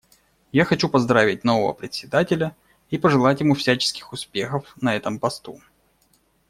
Я хочу поздравить нового Председателя и пожелать ему всяческих успехов на этом посту.